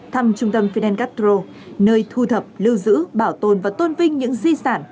thăm trung tâm financastro nơi thu thập lưu giữ bảo tồn và tôn vinh những di sản